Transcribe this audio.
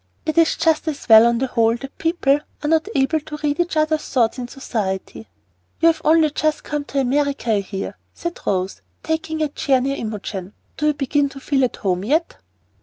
It is just as well, on the whole, that people are not able to read each other's thoughts in society. "You've only just come to America, I hear," said Rose, taking a chair near Imogen. "Do you begin to feel at home yet?"